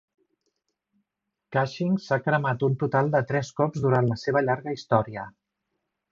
Cushing s'ha cremat un total de tres cops durant la seva llarga història.